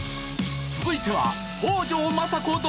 続いては。